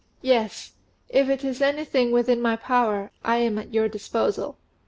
"Yes; if it is anything that is within my power, I am at your disposal."